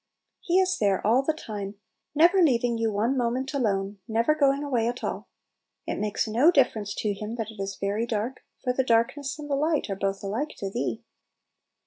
He is there all the time, never leaving you one moment alone, never going away at alL It makes no difference to Him that it is very dark, for "the darkness and the light are both alike to Thee."